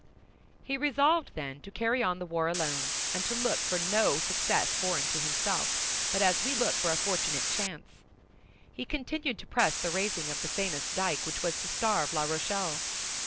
He resolved, then, to carry on the war alone, and to look for no success foreign to himself, but as we look for a fortunate chance. He continued to press the raising of the famous dyke which was to starve La Rochelle.